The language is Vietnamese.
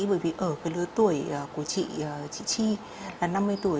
bởi vì ở lứa tuổi của chị chi là năm mươi tuổi